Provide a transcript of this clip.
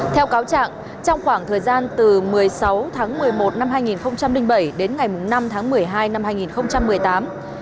theo cáo trạng trong khoảng thời gian từ một mươi sáu tháng một mươi một năm hai nghìn bảy đến ngày năm tháng một mươi hai năm hai nghìn một mươi tám